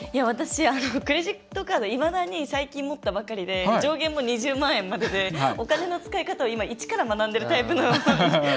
私、クレジットカードいまだに最近、持ったばかりで上限も２０万円まででお金の使い方を今、一から学んでいるタイプなので。